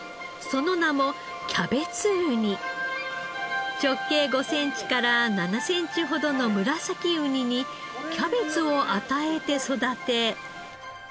その名も直径５センチから７センチほどのムラサキウニにキャベツを与えて育て。